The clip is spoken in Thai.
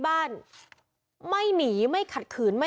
พวกมันต้องกินกันพี่